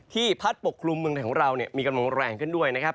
พัดปกคลุมเมืองไทยของเรามีกำลังแรงขึ้นด้วยนะครับ